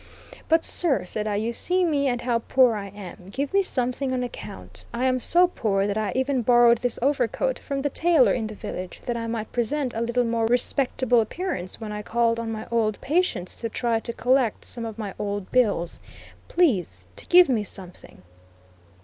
"But sir," said I, "you see me and how poor I am. Give me something on account. I am so poor that I even borrowed this overcoat from the tailor in the village, that I might present a little more respectable appearance when I called on my old patients to try to collect some of my old bills. Please to give me something."